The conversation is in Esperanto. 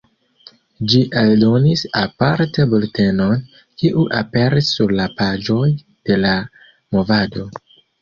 Ĝi eldonis aparte bultenon, kiu aperis sur la paĝoj de La Movado.